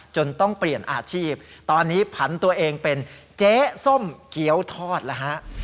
จนต้องเปลี่ยนอาชีพตอนนี้ผันตัวเองเป็นเจ๊ส้มเกี้ยวทอดแล้วฮะ